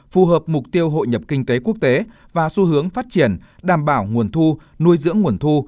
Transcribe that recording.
phù hợp mục tiêu hội nhập kinh tế quốc tế và xu hướng phát triển đảm bảo nguồn thu nuôi dưỡng nguồn thu